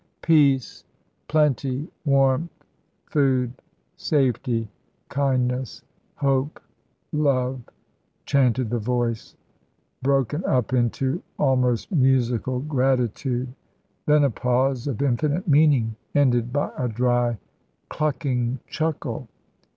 "Peace, plenty, warmth, food, safety, kindness, hope, love!" chanted the voice, broken up into almost musical gratitude. Then a pause of infinite meaning, ended by a dry clucking chuckle.